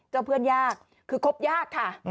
เพื่อนยากคือคบยากค่ะ